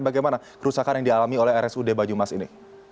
bagaimana kerusakan yang dialami oleh rsud banyumas ini